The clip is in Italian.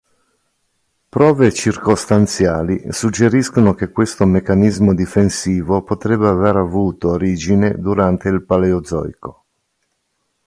Prove circostanziali suggeriscono che questo meccanismo difensivo potrebbe aver avuto origine durante il Paleozoico.